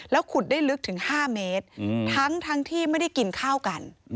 ขุดได้ลึกถึง๕เมตรทั้งที่ไม่ได้กินข้าวกัน